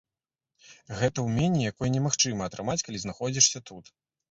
Гэта ўменне, якое немагчыма атрымаць, калі знаходзішся тут.